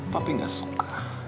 papi gak suka